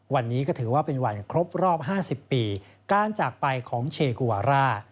วันนี้ก็ถือว่าเป็นวันครบรอบ๕๐ปีการจากไปของเชกุวาร่า